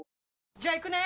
じゃあ行くね！